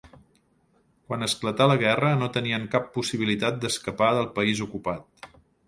Quan esclatà la guerra, no tenien cap possibilitat d'escapar del país ocupat.